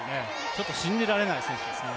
ちょっと信じられない選手ですね。